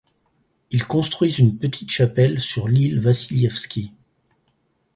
Ils construisent une petite chapelle sur l'île Vassilievski.